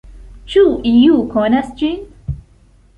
Ĉu iu konas ĝin?